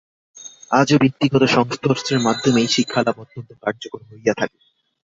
আজও ব্যক্তিগত সংস্পর্শের মাধ্যমেই শিক্ষালাভ অত্যন্ত কার্যকর হইয়া থাকে।